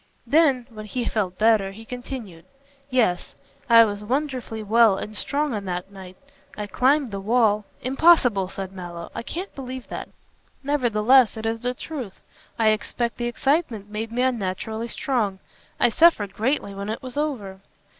Then, when he felt better, he continued "Yes! I was wonderfully well and strong on that night. I climbed the wall " "Impossible!" said Mallow, "I can't believe that." "Nevertheless it is the truth. I expect the excitement made me unnaturally strong. I suffered greatly when it was over."